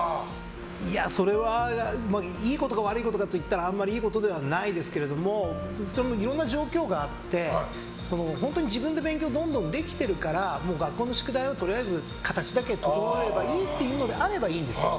それはいいことか悪いことかと言ったらあんまりいいことではないですけれどもいろんな状況があって本当に自分で勉強できてるから学校の宿題はとりあえず形だけ整えればいいっていうのであればいいんですよ。